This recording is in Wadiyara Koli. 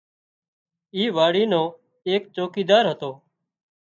اي واڙي نو ايڪ چوڪيدار هتو